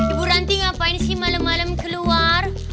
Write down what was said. ibu ranti ngapain sih malem malem keluar